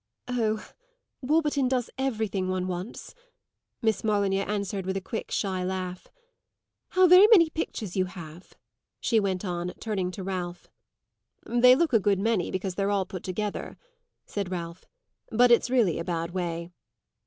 "Oh, Warburton does everything one wants," Miss Molyneux answered with a quick, shy laugh. "How very many pictures you have!" she went on, turning to Ralph. "They look a good many, because they're all put together," said Ralph. "But it's really a bad way."